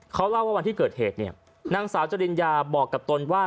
เขาเล่าว่าวันที่เกิดเหตุเนี่ยนางสาวจริญญาบอกกับตนว่า